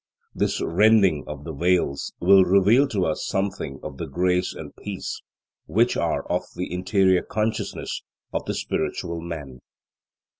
This rending of the veils will reveal to us something of the grace and peace which are of the interior consciousness of the spiritual man.